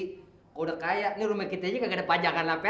kalau udah kaya ini rumah kita aja nggak ada pajangan apa apa nih ngelompong